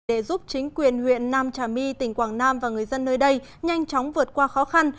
để giúp chính quyền huyện nam trà my tỉnh quảng nam và người dân nơi đây nhanh chóng vượt qua khó khăn